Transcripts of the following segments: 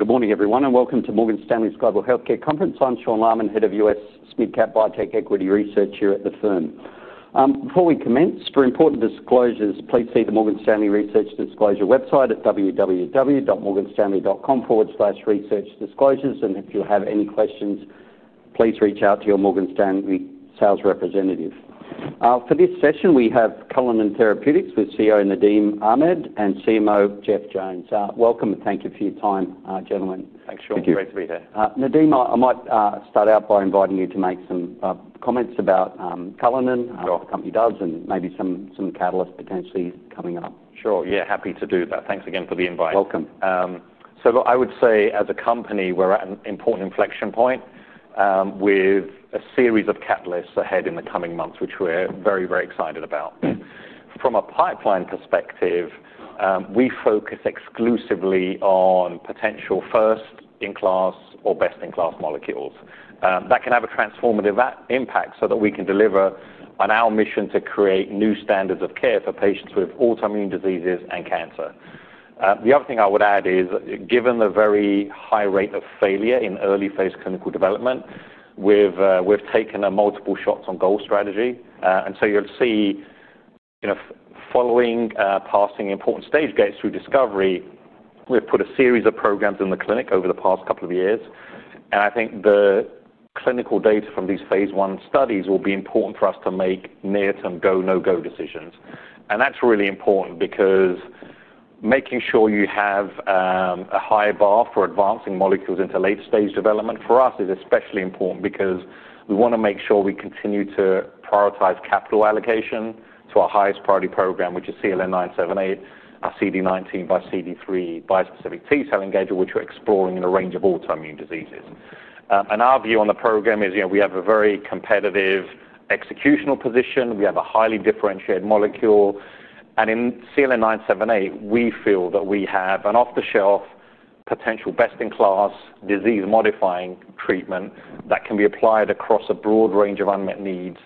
Good morning, everyone, and welcome to Morgan Stanley's Global Healthcare Conference. I'm Sean Lahman, Head of US SPEEDcap Biotech Equity Research here at the firm. Before we commence, for important disclosures, please see the Morgan Stanley Research Disclosure website at www.morganstanley.com/research/disclosures. If you have any questions, please reach out to your Morgan Stanley sales representative. For this session, we have Cullinan Therapeutics with CEO Nadim Ahmed and CMO Jeff Jones. Welcome, and thank you for your time, gentlemen. Thanks, Sean. It's great to be here. Nadim, I might start out by inviting you to make some comments about Cullinan Therapeutics, what the company does, and maybe some catalyst potentially coming up. Sure. Yeah, happy to do that. Thanks again for the invite. Welcome. I would say, as a company, we're at an important inflection point, with a series of catalysts ahead in the coming months, which we're very, very excited about. From a pipeline perspective, we focus exclusively on potential first-in-class or best-in-class molecules that can have a transformative impact so that we can deliver on our mission to create new standards of care for patients with autoimmune diseases and cancer. The other thing I would add is, given the very high rate of failure in early-phase clinical development, we've taken a multiple shots on goal strategy. You'll see, following passing important stage gates through discovery, we've put a series of programs in the clinic over the past couple of years. I think the clinical data from these phase one studies will be important for us to make near-term go-no-go decisions. That's really important because making sure you have a high bar for advancing molecules into late-stage development for us is especially important because we want to make sure we continue to prioritize capital allocation to our highest priority program, which is CLN-978, a CD19 x CD3 bispecific T-cell engager, which we're exploring in a range of autoimmune diseases. Our view on the program is, we have a very competitive executional position. We have a highly differentiated molecule. In CLN-978, we feel that we have an off-the-shelf, potential best-in-class, disease-modifying treatment that can be applied across a broad range of unmet needs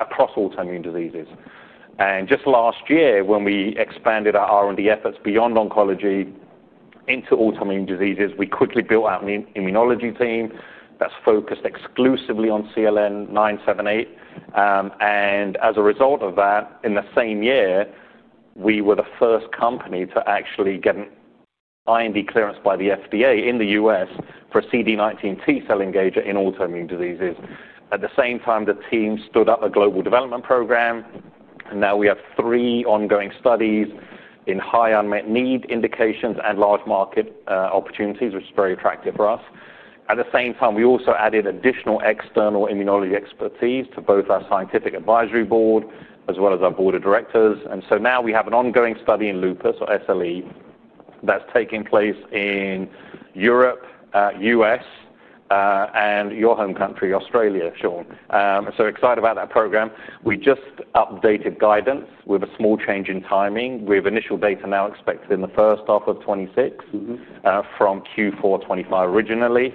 across autoimmune diseases. Just last year, when we expanded our R&D efforts beyond oncology into autoimmune diseases, we quickly built out an immunology team that's focused exclusively on CLN-978. As a result of that, in the same year, we were the first company to actually get an IND clearance by the FDA in the U.S. for a CD19 T-cell engager in autoimmune diseases. At the same time, the team stood up a global development program. Now we have three ongoing studies in high unmet need indications and large market opportunities, which is very attractive for us. At the same time, we also added additional external immunology expertise to both our Scientific Advisory Board as well as our Board of Directors. Now we have an ongoing study in lupus, or SLE, that's taking place in Europe, U.S., and your home country, Australia, Sean. Excited about that program. We just updated guidance with a small change in timing, with initial data now expected in the first half of 2026, from Q4 2025, originally.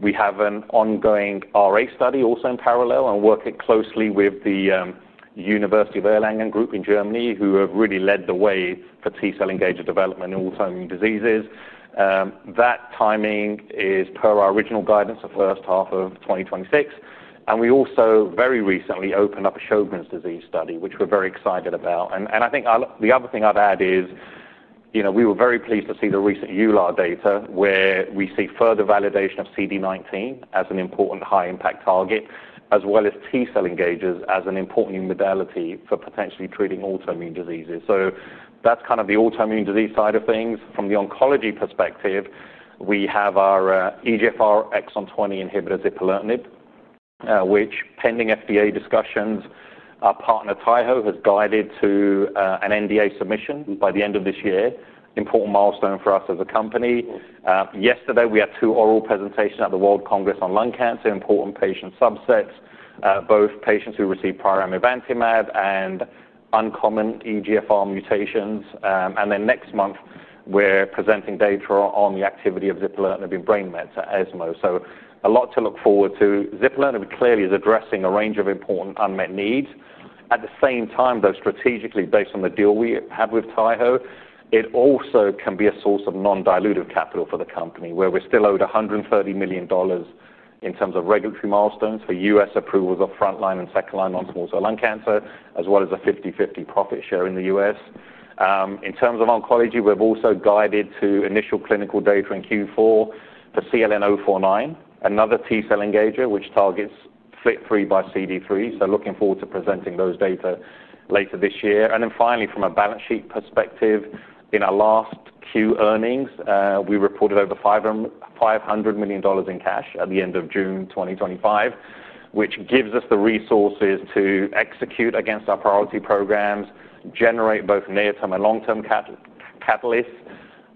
We have an ongoing RA study also in parallel and working closely with the University of Erlangen group in Germany, who have really led the way for T-cell engager development in autoimmune diseases. That timing is per our original guidance, the first half of 2026. We also very recently opened up a Sjogren's disease study, which we're very excited about. I think the other thing I'd add is, we were very pleased to see the recent EULAR data, where we see further validation of CD19 as an important high-impact target, as well as T-cell engagers as an important modality for potentially treating autoimmune diseases. That's kind of the autoimmune disease side of things. From the oncology perspective, we have our EGFR exon 20 inhibitor, zipolirenib, which, pending FDA discussions, our partner Taiho Oncology has guided to an NDA submission by the end of this year, an important milestone for us as a company. Yesterday, we had two oral presentations at the World Congress on Lung Cancer, important patient subsets, both patients who received prior Mavencimab and uncommon EGFR mutations. Next month, we're presenting data on the activity of zipolirenib in brain mets at ESMO. A lot to look forward to. Zipolirenib clearly is addressing a range of important unmet needs. At the same time, though, strategically, based on the deal we have with Taiho Oncology, it also can be a source of non-dilutive capital for the company, where we're still over $130 million in terms of regulatory milestones for U.S. approvals of front-line and second-line non-small cell lung cancer, as well as a 50/50 profit share in the U.S. In terms of oncology, we've also guided to initial clinical data in Q4 for CLN-049, another T-cell engager, which targets FLT3 by CD3. Looking forward to presenting those data later this year. Finally, from a balance sheet perspective, in our last Q earnings, we reported over $500 million in cash at the end of June 2025, which gives us the resources to execute against our priority programs, generate both near-term and long-term catalysts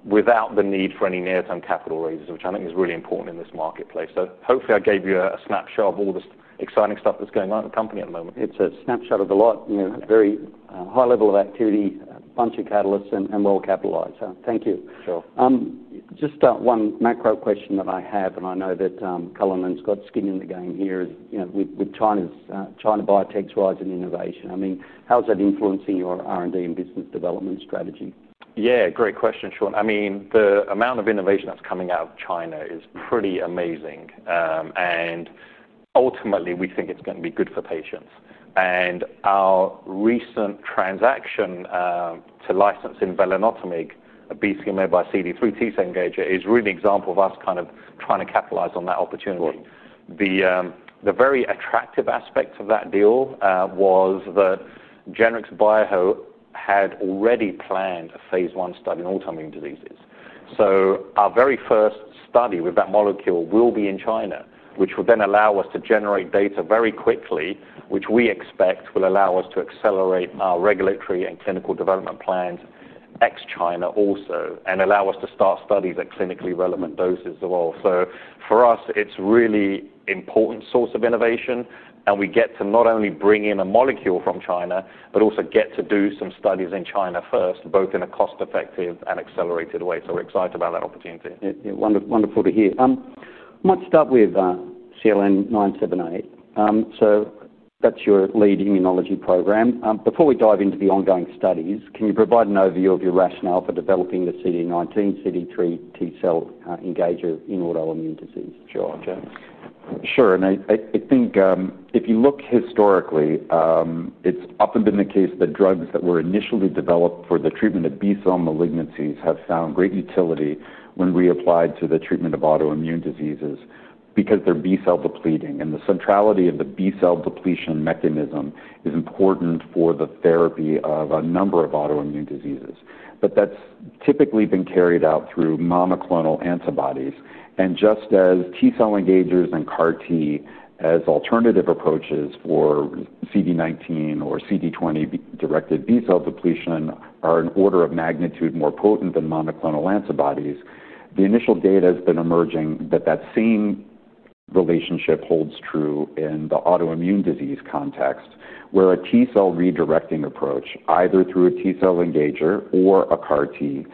without the need for any near-term capital raises, which I think is really important in this marketplace. Hopefully, I gave you a snapshot of all this exciting stuff that's going on in the company at the moment. It's a snapshot of a lot. You know, very high level of activity, a bunch of catalysts, and well-capitalized. Thank you. Sure. Just one macro question that I have, and I know that Cullinan's got skin in the game here, you know, with China's China biotech's rise in innovation. I mean, how's that influencing your R&D and business development strategy? Yeah, great question, Sean. I mean, the amount of innovation that's coming out of China is pretty amazing. Ultimately, we think it's going to be good for patients. Our recent transaction to license in belanotamab, a BCMA x CD3 T-cell engager, is really an example of us kind of trying to capitalize on that opportunity. The very attractive aspect of that deal was that Generex BioHope had already planned a phase one study in autoimmune diseases. Our very first study with that molecule will be in China, which will then allow us to generate data very quickly. We expect this will allow us to accelerate our regulatory and clinical development plans ex-China also, and allow us to start studies at clinically relevant doses. For us, it's a really important source of innovation. We get to not only bring in a molecule from China, but also get to do some studies in China first, both in a cost-effective and accelerated way. We're excited about that opportunity. Wonderful to hear. I might start with CLN-978. That's your lead immunology program. Before we dive into the ongoing studies, can you provide an overview of your rationale for developing the CD19 x CD3 T-cell engager in autoimmune disease? Sure. I think if you look historically, it's often been the case that drugs that were initially developed for the treatment of B-cell malignancies have found great utility when reapplied to the treatment of autoimmune diseases because they're B-cell depleting. The centrality of the B-cell depletion mechanism is important for the therapy of a number of autoimmune diseases. That's typically been carried out through monoclonal antibodies. Just as T-cell engagers and CAR-T as alternative approaches for CD19 or CD20-directed B-cell depletion are an order of magnitude more potent than monoclonal antibodies, the initial data has been emerging that that same relationship holds true in the autoimmune disease context, where a T-cell redirecting approach, either through a T-cell engager or a CAR-T,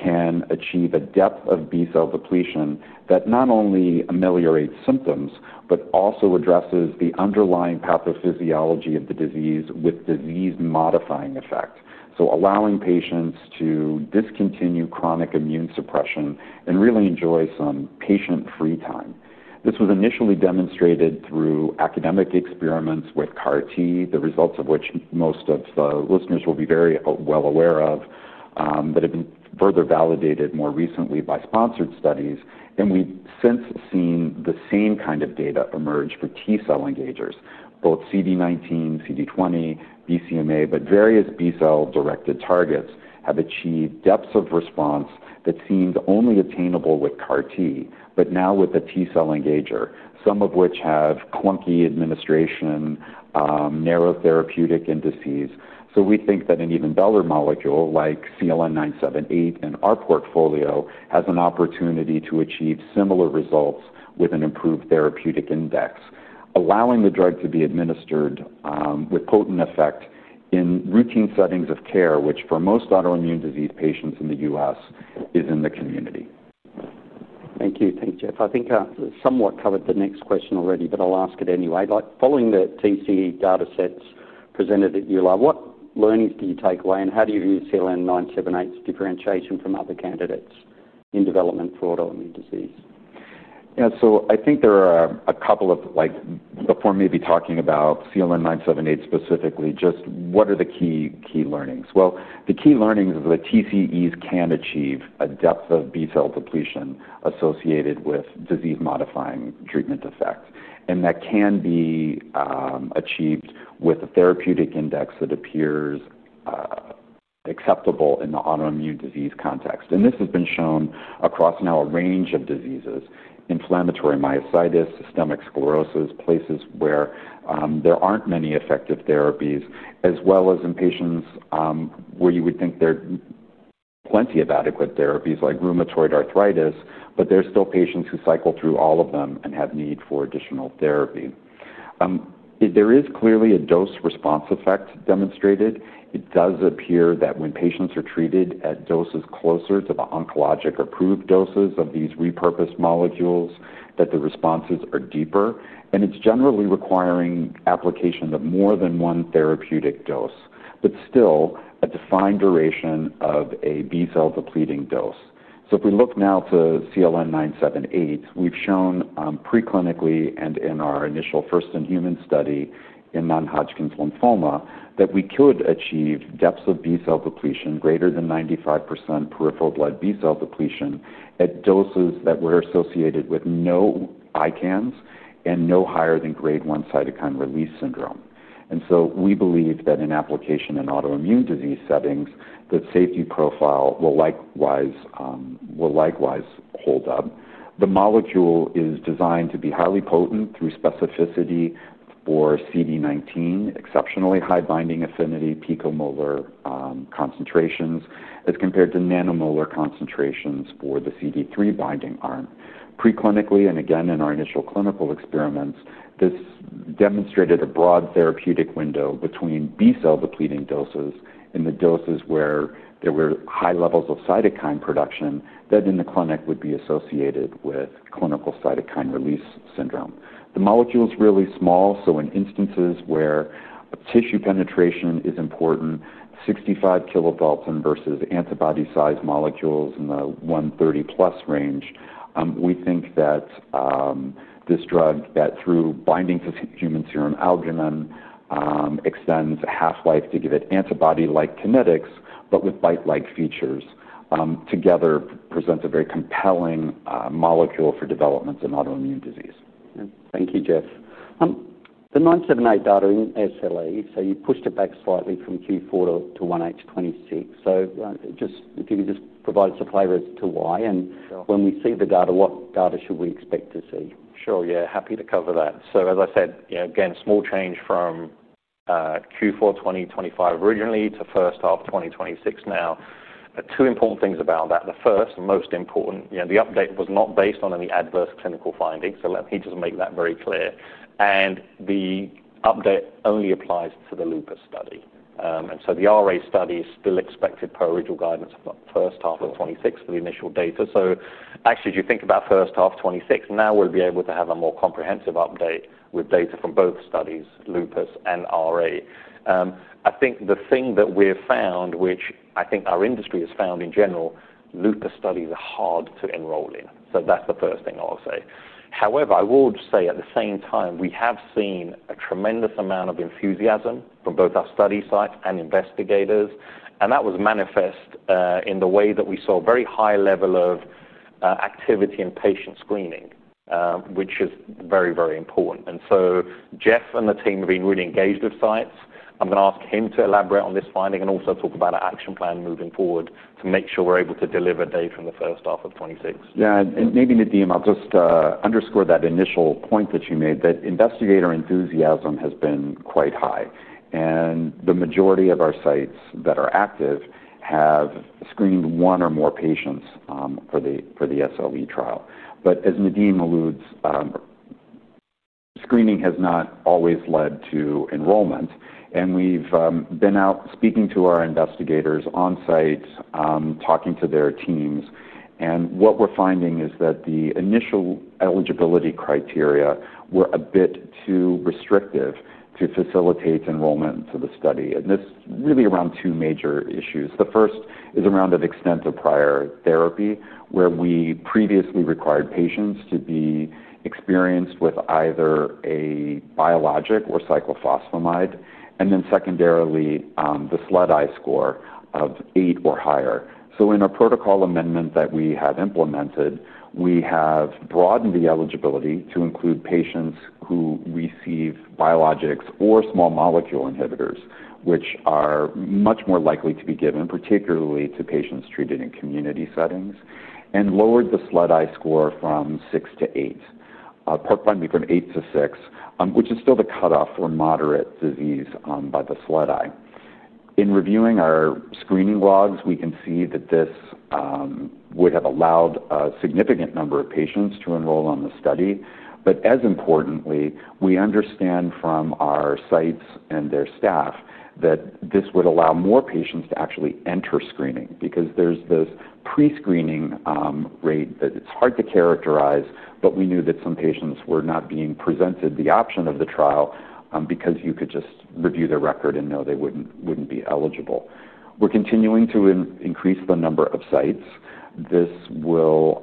can achieve a depth of B-cell depletion that not only ameliorates symptoms, but also addresses the underlying pathophysiology of the disease with disease-modifying effect. This allows patients to discontinue chronic immune suppression and really enjoy some patient-free time. This was initially demonstrated through academic experiments with CAR-T, the results of which most of the listeners will be very well aware of, that have been further validated more recently by sponsored studies. We've since seen the same kind of data emerge for T-cell engagers. Both CD19, CD20, BCMA, but various B-cell-directed targets have achieved depths of response that seemed only attainable with CAR-T, but now with the T-cell engager, some of which have clunky administration, narrow therapeutic indices. We think that an even better molecule, like CLN-978 in our portfolio, has an opportunity to achieve similar results with an improved therapeutic index, allowing the drug to be administered with potent effect in routine settings of care, which for most autoimmune disease patients in the U.S. is in the community. Thank you. Thanks, Jeff. I think I somewhat covered the next question already, but I'll ask it anyway. Following the TC datasets presented at EULAR, what learnings do you take away, and how do you view CLN-978's differentiation from other candidates in development for autoimmune disease? I think there are a couple of, before maybe talking about CLN-978 specifically, just what are the key learnings? The key learnings are that T-cell engagers can achieve a depth of B-cell depletion associated with disease-modifying treatment effects. That can be achieved with a therapeutic index that appears acceptable in the autoimmune disease context. This has been shown across now a range of diseases: inflammatory myositis, systemic sclerosis, places where there aren't many effective therapies, as well as in patients where you would think there are plenty of adequate therapies, like rheumatoid arthritis, but there are still patients who cycle through all of them and have need for additional therapy. There is clearly a dose-response effect demonstrated. It does appear that when patients are treated at doses closer to the oncologic-approved doses of these repurposed molecules, the responses are deeper. It's generally requiring application of more than one therapeutic dose, but still a defined duration of a B-cell-depleting dose. If we look now to CLN-978, we've shown preclinically and in our initial first-in-human study in non-Hodgkin's lymphoma that we could achieve depths of B-cell depletion greater than 95% peripheral blood B-cell depletion at doses that were associated with no ICANs and no higher than grade 1 cytokine release syndrome. We believe that in application in autoimmune disease settings, the safety profile will likewise hold up. The molecule is designed to be highly potent through specificity for CD19, exceptionally high binding affinity picomolar concentrations, as compared to nanomolar concentrations for the CD3 binding arm. Preclinically, and again in our initial clinical experiments, this demonstrated a broad therapeutic window between B-cell-depleting doses and the doses where there were high levels of cytokine production that in the clinic would be associated with clinical cytokine release syndrome. The molecule is really small, so in instances where tissue penetration is important, 65 kilodalton versus antibody-sized molecules in the 130-plus range, we think that this drug, through binding to human serum albumin, extends half-life to give it antibody-like kinetics, but with bite-like features. Together, it presents a very compelling molecule for developments in autoimmune disease. Thank you, Jeff. The non-significant data in SLE, you pushed it back slightly from Q4 to 1H 2026. If you could just provide some flavor to why. When we see the data, what data should we expect to see? Sure, yeah. Happy to cover that. As I said, a small change from Q4 2025 originally to first half 2026 now. Two important things about that. The first and most important, the update was not based on any adverse clinical findings. Let me just make that very clear. The update only applies to the lupus study. The RA study is still expected per original guidance of the first half of 2026 for the initial data. If you think about first half 2026, now we'll be able to have a more comprehensive update with data from both studies, lupus and RA. I think the thing that we've found, which I think our industry has found in general, lupus studies are hard to enroll in. That's the first thing I'll say. However, I will say at the same time, we have seen a tremendous amount of enthusiasm from both our study site and investigators. That was manifest in the way that we saw a very high level of activity in patient screening, which is very, very important. Jeff and the team have been really engaged with sites. I'm going to ask him to elaborate on this finding and also talk about an action plan moving forward to make sure we're able to deliver data in the first half of 2026. Yeah, and maybe Nadim, I'll just underscore that initial point that you made, that investigator enthusiasm has been quite high. The majority of our sites that are active have screened one or more patients for the SLE trial. As Nadim alludes, screening has not always led to enrollment. We've been out speaking to our investigators on site, talking to their teams. What we're finding is that the initial eligibility criteria were a bit too restrictive to facilitate enrollment into the study. This is really around two major issues. The first is around an extent of prior therapy, where we previously required patients to be experienced with either a biologic or cyclophosphamide, and then secondarily, the SLEDI score of eight or higher. In a protocol amendment that we have implemented, we have broadened the eligibility to include patients who receive biologics or small molecule inhibitors, which are much more likely to be given, particularly to patients treated in community settings, and lowered the SLEDI score from eight to six, which is still the cutoff for moderate disease by the SLEDI. In reviewing our screening logs, we can see that this would have allowed a significant number of patients to enroll on the study. As importantly, we understand from our sites and their staff that this would allow more patients to actually enter screening because there's this prescreening rate that it's hard to characterize, but we knew that some patients were not being presented the option of the trial because you could just review their record and know they wouldn't be eligible. We're continuing to increase the number of sites. This will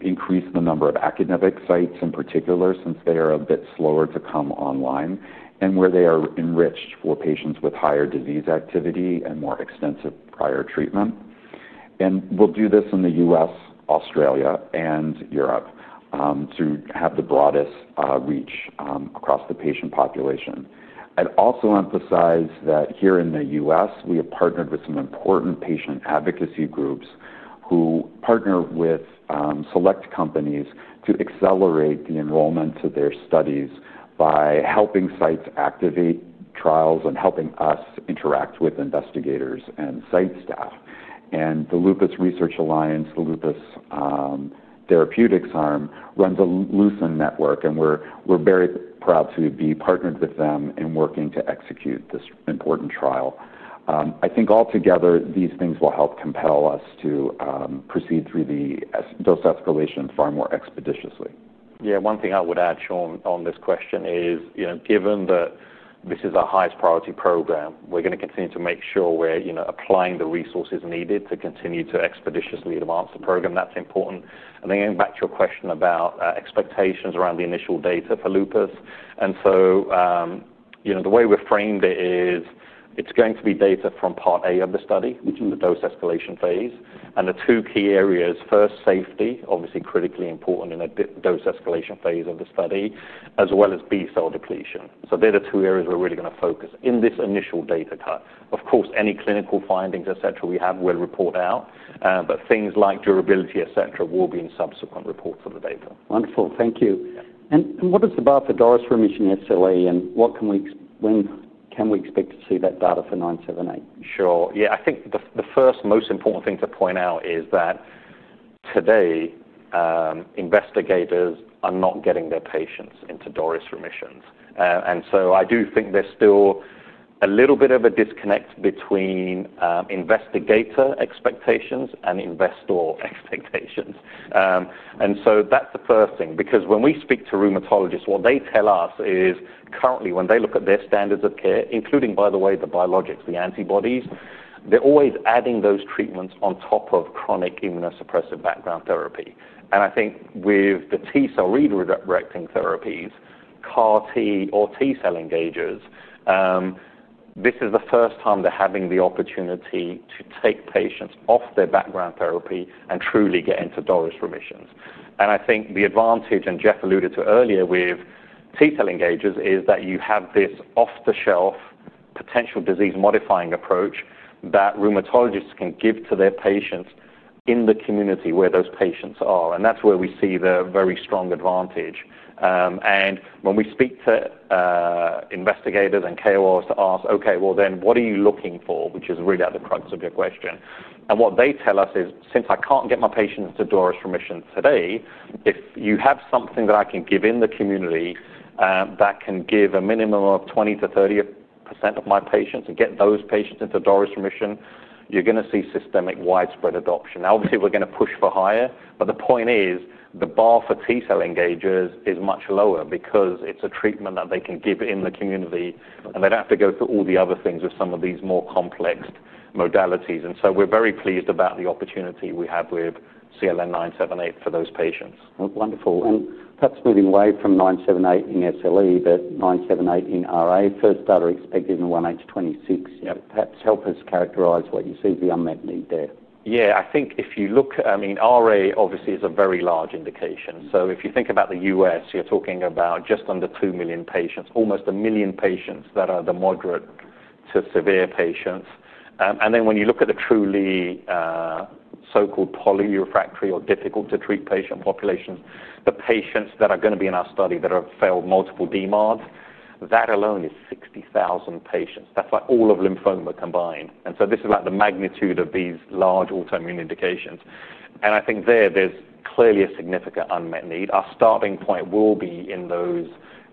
increase the number of academic sites in particular since they are a bit slower to come online, and where they are enriched for patients with higher disease activity and more extensive prior treatment. We'll do this in the U.S., Australia, and Europe to have the broadest reach across the patient population. I'd also emphasize that here in the U.S., we have partnered with some important patient advocacy groups who partner with select companies to accelerate the enrollment to their studies by helping sites activate trials and helping us interact with investigators and site staff. The Lupus Research Alliance, the Lupus Therapeutics Arm, runs a Lucent network, and we're very proud to be partnered with them in working to execute this important trial. I think altogether, these things will help compel us to proceed through the dose escalation far more expeditiously. Yeah, one thing I would add, Sean, on this question is, you know, given that this is our highest priority program, we're going to continue to make sure we're, you know, applying the resources needed to continue to expeditiously advance the program. That's important. Going back to your question about expectations around the initial data for lupus, the way we've framed it is it's going to be data from part A of the study, which is the dose escalation phase. The two key areas, first, safety, obviously critically important in a dose escalation phase of the study, as well as B-cell depletion. They're the two areas we're really going to focus on in this initial data cut. Of course, any clinical findings, et cetera, we have, we'll report out. Things like durability, et cetera, will be in subsequent reports of the data. Wonderful. Thank you. What is the B-cell depletion remission in systemic lupus erythematosus, and what can we expect to see that data for CLN-978? Sure. Yeah, I think the first most important thing to point out is that today, investigators are not getting their patients into B-cell depletion remissions. I do think there's still a little bit of a disconnect between investigator expectations and investor expectations. That's the first thing because when we speak to rheumatologists, what they tell us is currently, when they look at their standards of care, including, by the way, the biologics, the antibodies, they're always adding those treatments on top of chronic immunosuppressive background therapy. I think with the T-cell redirecting therapies, CAR-T or T-cell engagers, this is the first time they're having the opportunity to take patients off their background therapy and truly get into B-cell depletion remissions. I think the advantage, and Jeff alluded to earlier with T-cell engagers, is that you have this off-the-shelf potential disease-modifying approach that rheumatologists can give to their patients in the community where those patients are. That's where we see the very strong advantage. When we speak to investigators and KOLs to ask, OK, what are you looking for, which is really at the crux of your question, what they tell us is, since I can't get my patients into B-cell depletion remission today, if you have something that I can give in the community that can give a minimum of 20% to 30% of my patients and get those patients into B-cell depletion remission, you're going to see systemic widespread adoption. Obviously, we're going to push for higher, but the point is the bar for T-cell engagers is much lower because it's a treatment that they can give in the community, and they don't have to go through all the other things with some of these more complex modalities. We're very pleased about the opportunity we have with CLN-978 for those patients. Wonderful. Perhaps moving away from CLN-978 in systemic lupus erythematosus, but CLN-978 in rheumatoid arthritis, first data expected in 1H 2026, perhaps help us characterize what you see as the unmet need there. Yeah, I think if you look, I mean, RA obviously is a very large indication. If you think about the U.S., you're talking about just under 2 million patients, almost 1 million patients that are the moderate to severe patients. When you look at the truly so-called polyrefractory or difficult-to-treat patient populations, the patients that are going to be in our study that have failed multiple DMARDs, that alone is 60,000 patients. That's like all of lymphoma combined. This is like the magnitude of these large autoimmune indications. I think there, there's clearly a significant unmet need. Our starting point will be in those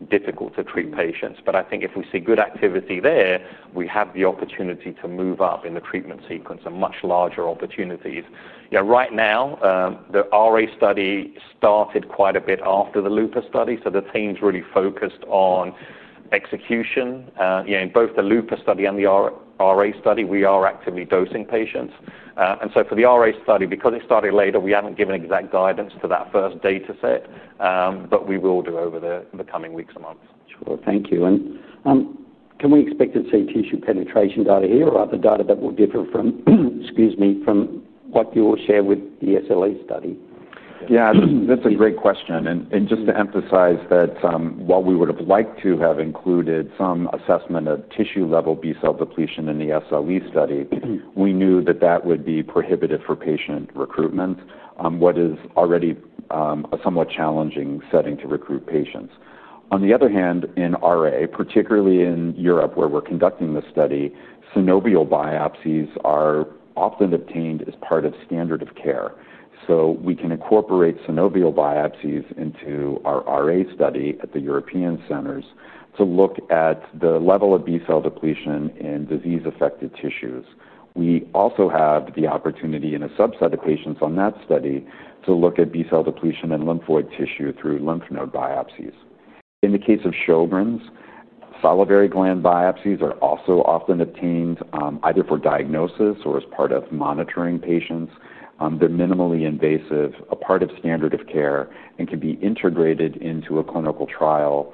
difficult-to-treat patients. If we see good activity there, we have the opportunity to move up in the treatment sequence and much larger opportunities. Right now, the RA study started quite a bit after the lupus study. The team's really focused on execution. In both the lupus study and the RA study, we are actively dosing patients. For the RA study, because it started later, we haven't given exact guidance to that first data set, but we will do over the coming weeks and months. Thank you. Can we expect to see tissue penetration data here or other data that will differ from what you all shared with the SLE study? Yeah, that's a great question. Just to emphasize that while we would have liked to have included some assessment of tissue-level B-cell depletion in the SLE study, we knew that that would be prohibitive for patient recruitment, which is already a somewhat challenging setting to recruit patients. On the other hand, in RA, particularly in Europe where we're conducting the study, synovial biopsies are often obtained as part of standard of care. We can incorporate synovial biopsies into our RA study at the European centers to look at the level of B-cell depletion in disease-affected tissues. We also have the opportunity in a subset of patients on that study to look at B-cell depletion in lymphoid tissue through lymph node biopsies. In the case of Sjogren's, salivary gland biopsies are also often obtained either for diagnosis or as part of monitoring patients. They're minimally invasive, a part of standard of care, and can be integrated into a clinical trial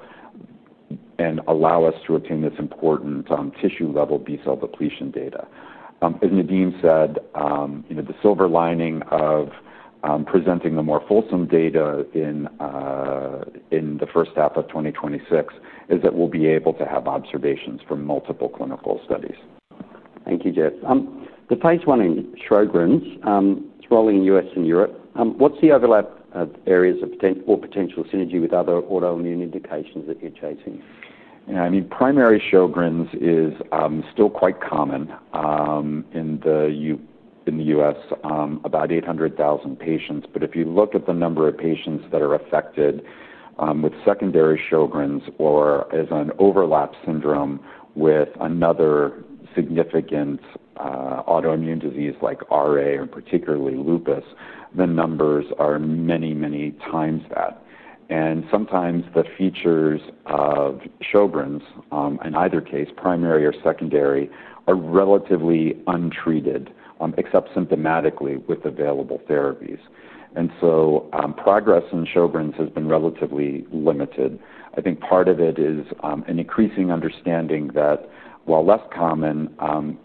and allow us to obtain this important tissue-level B-cell depletion data. As Nadim said, the silver lining of presenting the more fulsome data in the first half of 2026 is that we'll be able to have observations from multiple clinical studies. Thank you, Jeff. The place one in Sjogren's, thrilling in the US and Europe, what's the overlap of areas of potential or potential synergy with other autoimmune indications that you're chasing? Yeah, I mean, primary Sjogren's is still quite common in the U.S., about 800,000 patients. If you look at the number of patients that are affected with secondary Sjogren's or as an overlap syndrome with another significant autoimmune disease like RA and particularly lupus, the numbers are many, many times that. Sometimes the features of Sjogren's, in either case, primary or secondary, are relatively untreated, except symptomatically with available therapies. Progress in Sjogren's has been relatively limited. I think part of it is an increasing understanding that while less common, 15%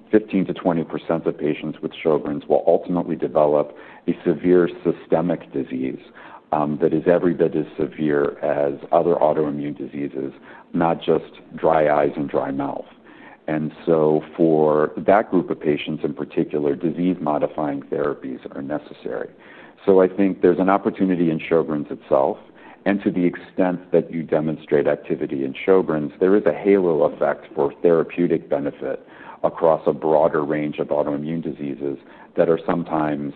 to 20% of patients with Sjogren's will ultimately develop a severe systemic disease that is every bit as severe as other autoimmune diseases, not just dry eyes and dry mouth. For that group of patients in particular, disease-modifying therapies are necessary. I think there's an opportunity in Sjogren's itself. To the extent that you demonstrate activity in Sjogren's, there is a halo effect for therapeutic benefit across a broader range of autoimmune diseases that are sometimes,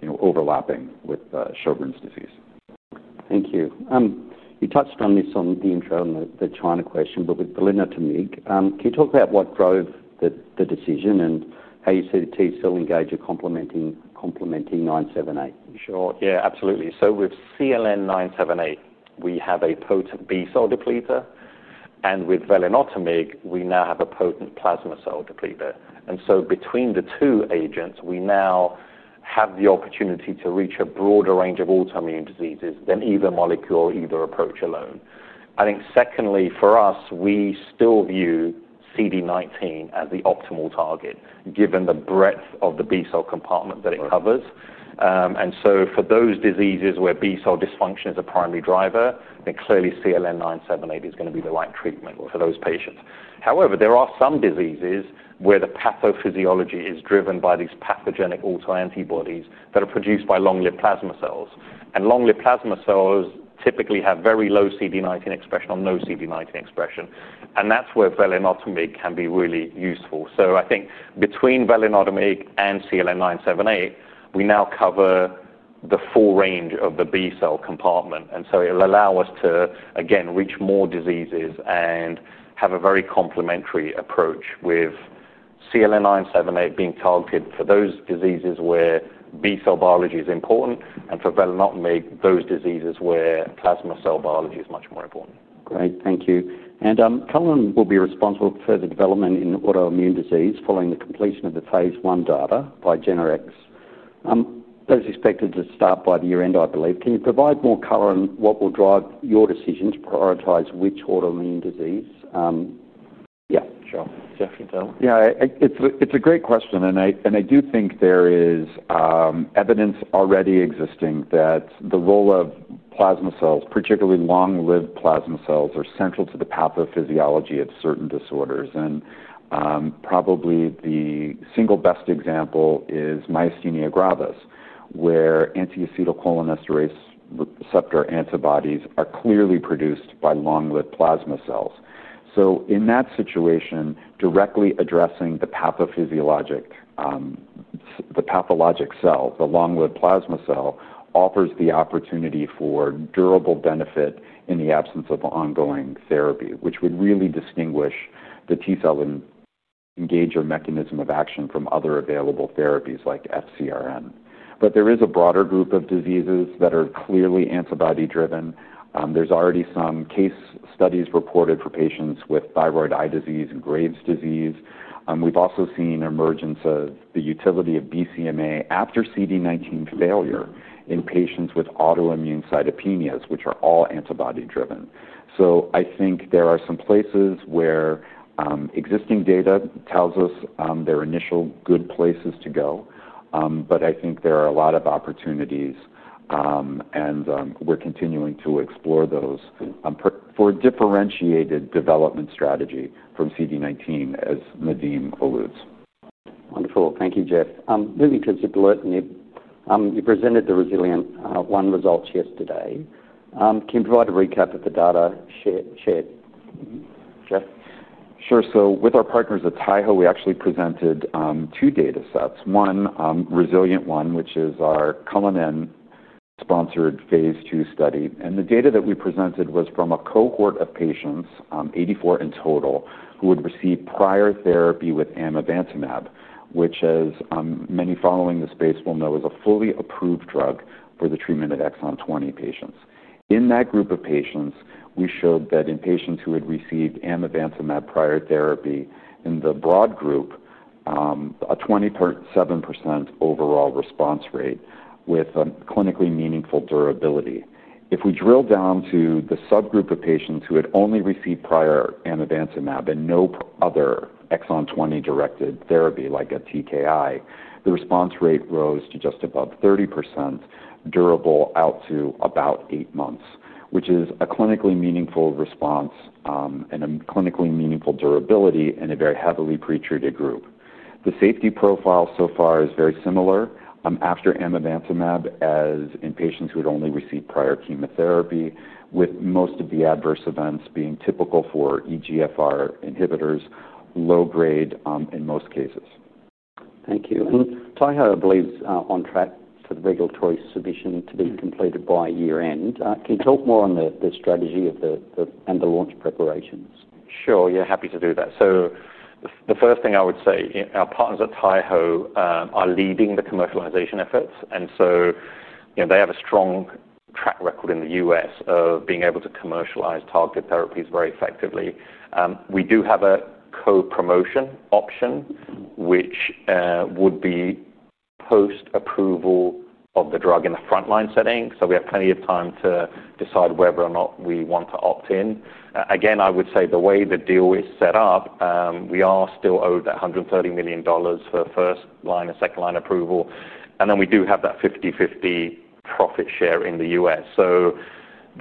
you know, overlapping with Sjogren's disease. Thank you. You touched on this in the intro and the China question, but with belanotamab, can you talk about what drove the decision and how you see the T-cell engager complementing 978? Sure. Yeah, absolutely. With CLN-978, we have a potent B-cell depletor. With belanotamab, we now have a potent plasma cell depletor. Between the two agents, we now have the opportunity to reach a broader range of autoimmune diseases than either molecule or either approach alone. I think secondly, for us, we still view CD19 as the optimal target, given the breadth of the B-cell compartment that it covers. For those diseases where B-cell dysfunction is a primary driver, then clearly CLN-978 is going to be the right treatment for those patients. However, there are some diseases where the pathophysiology is driven by these pathogenic autoantibodies that are produced by long-lived plasma cells. Long-lived plasma cells typically have very low CD19 expression or no CD19 expression. That is where belanotamab can be really useful. I think between belanotamab and CLN-978, we now cover the full range of the B-cell compartment. It will allow us to, again, reach more diseases and have a very complementary approach with CLN-978 being targeted for those diseases where B-cell biology is important and for belanotamab, those diseases where plasma cell biology is much more important. Great. Thank you. Cullinan will be responsible for further development in autoimmune disease following the completion of the phase one data by Generex BioHope. Those are expected to start by the year end, I believe. Can you provide more color on what will drive your decision to prioritize which autoimmune disease? Yeah, sure. Jeff, you go. Yeah, it's a great question. I do think there is evidence already existing that the role of plasma cells, particularly long-lived plasma cells, are central to the pathophysiology of certain disorders. Probably the single best example is myasthenia gravis, where anti-acetylcholinesterase receptor antibodies are clearly produced by long-lived plasma cells. In that situation, directly addressing the pathophysiologic, the pathologic cell, the long-lived plasma cell offers the opportunity for durable benefit in the absence of ongoing therapy, which would really distinguish the T-cell engager mechanism of action from other available therapies like FCRN. There is a broader group of diseases that are clearly antibody-driven. There are already some case studies reported for patients with thyroid eye disease and Graves' disease. We've also seen emergence of the utility of BCMA after CD19 failure in patients with autoimmune cytopenias, which are all antibody-driven. I think there are some places where existing data tells us there are initial good places to go. I think there are a lot of opportunities. We're continuing to explore those for a differentiated development strategy from CD19, as Nadim alludes. Wonderful. Thank you, Jeff. Moving to zipolirenib, you presented the Resilient One results yesterday. Can you provide a recap of the data shared? Jeff? Sure. With our partners at Taiho Oncology, we actually presented two data sets, one Resilient One, which is our Cullinan-sponsored phase two study. The data that we presented was from a cohort of patients, 84 in total, who had received prior therapy with amivantamab, which, as many following this space will know, is a fully approved drug for the treatment of exon 20 patients. In that group of patients, we showed that in patients who had received amivantamab prior therapy in the broad group, a 27% overall response rate with clinically meaningful durability. If we drill down to the subgroup of patients who had only received prior amivantamab and no other exon 20-directed therapy, like a TKI, the response rate rose to just above 30%, durable out to about eight months, which is a clinically meaningful response and a clinically meaningful durability in a very heavily pretreated group. The safety profile so far is very similar after amivantamab, as in patients who had only received prior chemotherapy, with most of the adverse events being typical for EGFR inhibitors, low grade in most cases. Thank you. Taiho Oncology, I believe, is on track for the regulatory submission to be completed by year end. Can you talk more on the strategy and the launch preparations? Sure. Yeah, happy to do that. The first thing I would say, our partners at Taiho Oncology are leading the commercialization efforts. They have a strong track record in the U.S. of being able to commercialize targeted therapies very effectively. We do have a co-promotion option, which would be post-approval of the drug in the front-line setting. We have plenty of time to decide whether or not we want to opt in. The way the deal is set up, we are still owed that $130 million for first-line and second-line approval. We do have that 50/50 profit share in the U.S. The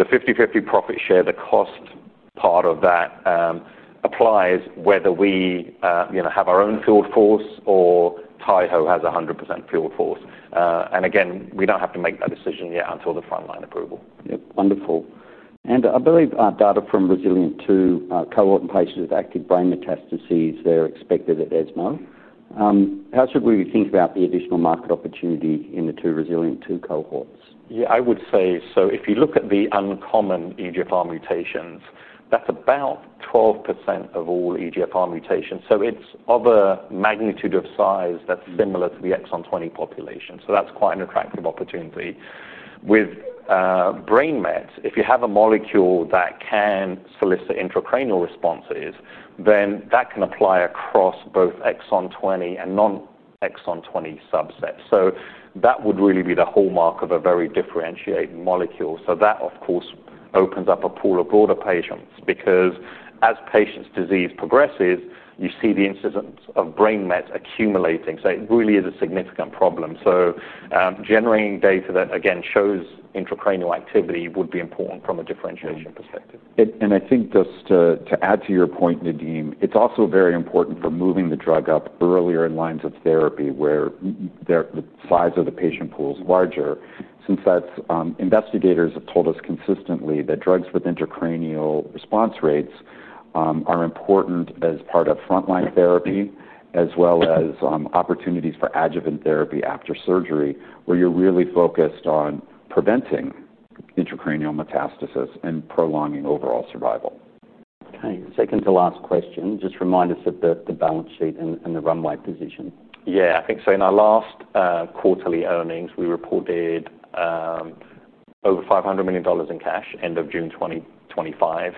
50/50 profit share, the cost part of that applies whether we have our own field force or Taiho Oncology has 100% field force. We don't have to make that decision yet until the front-line approval. Wonderful. I believe data from Resilient Two cohort and patients with active brain metastases, they're expected at ESMO. How should we think about the additional market opportunity in the two Resilient Two cohorts? Yeah, I would say, if you look at the uncommon EGFR mutations, that's about 12% of all EGFR mutations. It's of a magnitude of size that's similar to the exon 20 population. That's quite an attractive opportunity. With brain mets, if you have a molecule that can solicit intracranial responses, that can apply across both exon 20 and non-exon 20 subsets. That would really be the hallmark of a very differentiated molecule. That, of course, opens up a pool of broader patients because as patients' disease progresses, you see the incidence of brain mets accumulating. It really is a significant problem. Generating data that, again, shows intracranial activity would be important from a differentiation perspective. I think just to add to your point, Nadim, it's also very important for moving the drug up earlier in lines of therapy where the size of the patient pool is larger, since investigators have told us consistently that drugs with intracranial response rates are important as part of front-line therapy, as well as opportunities for adjuvant therapy after surgery, where you're really focused on preventing intracranial metastasis and prolonging overall survival. Okay. Second to last question, just remind us of the balance sheet and the runway position. Yeah, I think so. In our last quarterly earnings, we reported over $500 million in cash end of June 2025.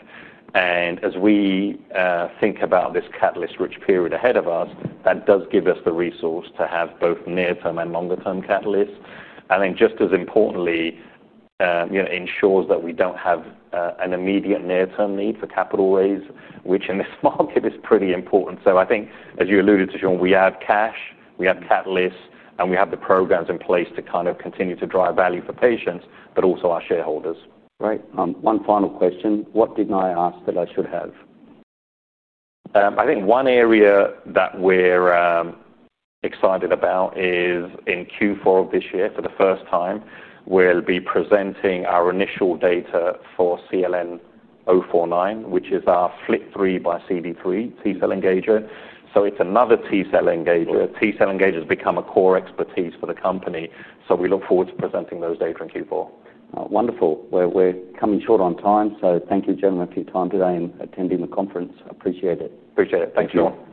As we think about this catalyst-rich period ahead of us, that does give us the resource to have both near-term and longer-term catalysts. Just as importantly, you know, ensures that we don't have an immediate near-term need for capital raise, which in this market is pretty important. I think, as you alluded to, Sean, we have cash, we have catalysts, and we have the programs in place to kind of continue to drive value for patients, but also our shareholders. Right. One final question. What didn't I ask that I should have? I think one area that we're excited about is in Q4 this year, for the first time, we'll be presenting our initial data for CLN-049, which is our FLT3 x CD3 T-cell engager. It's another T-cell engager. T-cell engagers have become a core expertise for the company. We look forward to presenting those data in Q4. Wonderful. We're coming short on time. Thank you, Jeff, for your time today and attending the conference. Appreciate it. Appreciate it. Thank you, Sean.